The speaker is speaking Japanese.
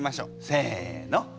せの。